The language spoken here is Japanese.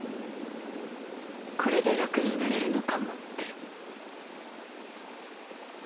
これで楽になれるのかもって。